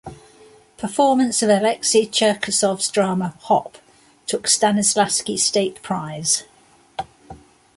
Performance of Alexei Cherkasov's drama "Hop" took Stanislavsky State Prize.